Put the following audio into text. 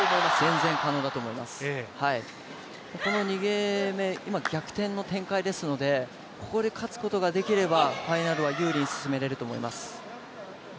全然可能だと思います、この２ゲーム目、今、逆転の展開ですので、ここで勝つことができればファイナルは有利に進められると思います。